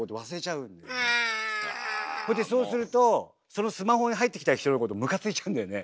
それでそうするとそのスマホで入ってきた人のことムカついちゃうんだよね。